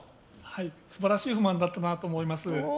素晴らしい不満だったなと思います。